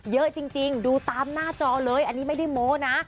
เยอะจริงดูตามหน้าจอเลยอันนี้ไม่ได้โม้นะ